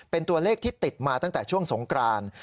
เป็นตัวเลขที่ติดมาตั้งแต่ช่วงสงกราน